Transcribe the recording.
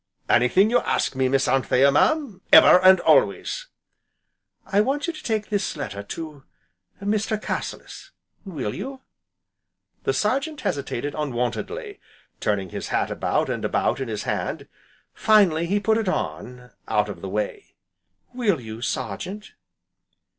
"Anything you ask me, Miss Anthea, mam, ever and always." "I want you to take this letter to Mr. Cassilis, will you?" The Sergeant hesitated unwontedly, turning his hat about and about in his hand, finally he put it on, out of the way. "Will you, Sergeant?"